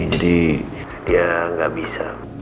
jadi dia gak bisa